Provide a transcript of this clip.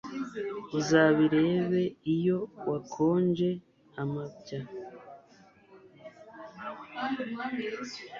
Uzabirebe iyo wakonje amabya